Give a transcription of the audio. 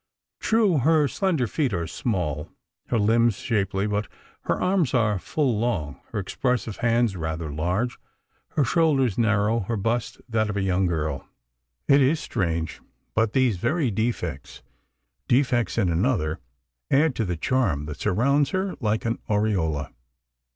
True, her slender feet are small, her limbs shapely; but her arms are full long, her expressive hands rather large, her shoulders narrow, her bust that of a young girl. It is strange, but these very defects—defects in another—add to the charm that surrounds her like an aureola.